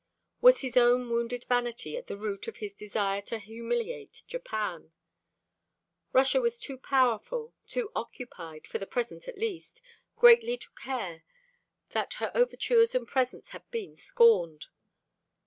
Was his own wounded vanity at the root of his desire to humiliate Japan? Russia was too powerful, too occupied, for the present at least, greatly to care that her overtures and presents had been scorned.